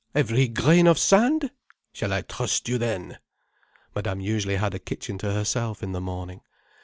Every grain of sand? Shall I trust you then—?" Madame usually had a kitchen to herself, in the morning.